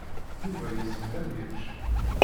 Yuba yezmer ad yečč?